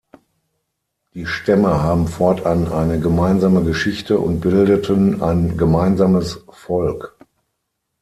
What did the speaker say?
Die Stämme haben fortan eine gemeinsame Geschichte und bildeten ein gemeinsames Volk.